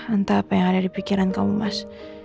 entah apa yang ada di pikiran kamu mas